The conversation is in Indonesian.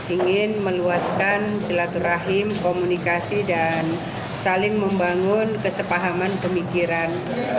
ingin meluaskan silaturahim komunikasi dan saling membangun kesepahaman pemikiran